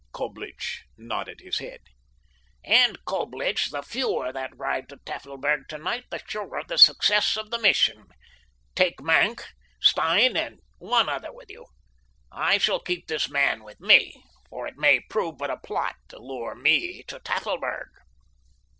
Coblich nodded his head. "And, Coblich, the fewer that ride to Tafelberg tonight the surer the success of the mission. Take Maenck, Stein and one other with you. I shall keep this man with me, for it may prove but a plot to lure me to Tafelberg."